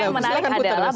yang menarik sekarang adalah